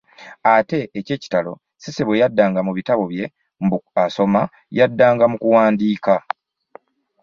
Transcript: Ate eky'ekitalo Cissy bwe yaddanga mu bitabo bye mbu asoma yaddanga mu kuwandiika.